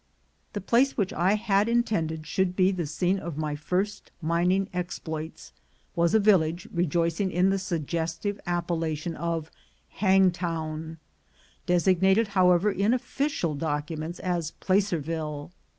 The place which I had intended should be the scene of my first mining exploits, was a village re joicing in the suggestive appellation of Hangtown; designated, however, in official documents as Placer ville.